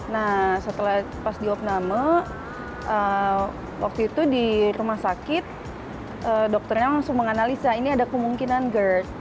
nah setelah pas diopname waktu itu di rumah sakit dokternya langsung menganalisa ini ada kemungkinan gerd